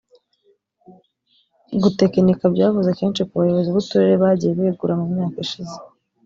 Gutekinika byavuze kenshi ku bayobozi b’uturere bagiye begura mu myaka yashize